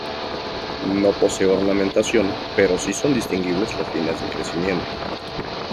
No posee ornamentación pero si son distinguibles las líneas de crecimiento.